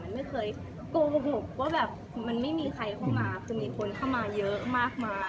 ไม่เคยโกหกว่าแบบมันไม่มีใครเข้ามาคือมีคนเข้ามาเยอะมากมาย